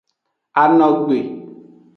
Anogbe.